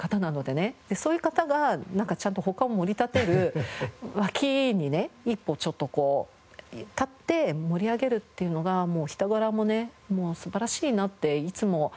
そういう方がちゃんと他をもり立てる脇にね一歩ちょっと立って盛り上げるっていうのが人柄もね素晴らしいなっていつも感動しております。